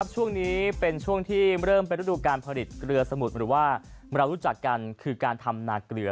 ช่วงนี้เป็นช่วงที่เริ่มเป็นฤดูการผลิตเกลือสมุดหรือว่าเรารู้จักกันคือการทำนาเกลือ